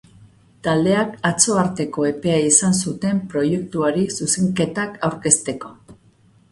Taldeek atzo arteko epea izan zuten proiektuari zuzenketak aurkezteko.